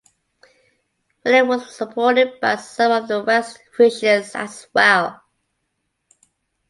William was supported by some of the West Frisians as well.